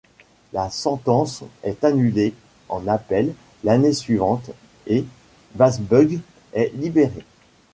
La sentence est annulée en appel l'année suivante et Başbuğ est libéré.